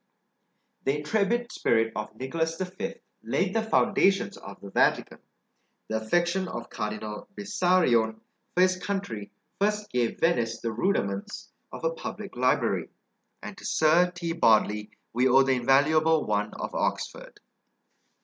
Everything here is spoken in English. The intrepid spirit of Nicholas V. laid the foundations of the Vatican; the affection of Cardinal Bessarion for his country first gave Venice the rudiments of a public library; and to Sir T. Bodley we owe the invaluable one of Oxford.